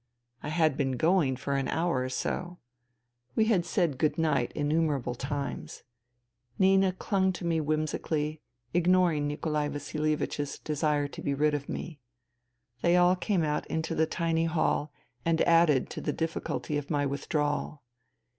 I had been going for an hour or so. We had said " good night " innumerable times. Nina clung to me whimsically, ignoring Nikolai Vasilievich's desire to be rid of me. They all came out into the tiny hall and added to the difficulty of my withdrawal.